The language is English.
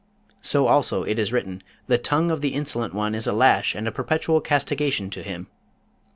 So also it is written, The tongue of the insolent one is a lash and a perpetual castigation to him.